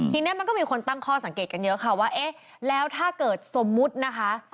ทีนี้มันก็มีคนตั้งข้อสังเกตกันเยอะค่ะว่าเอ๊ะแล้วถ้าเกิดสมมุตินะคะ